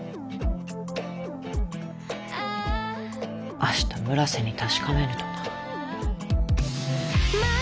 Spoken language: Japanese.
明日村瀬に確かめぬとな。